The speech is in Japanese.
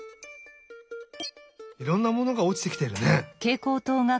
いろんなものがおちてきてるね。